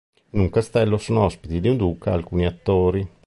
In un castello sono ospiti di un duca alcuni attori.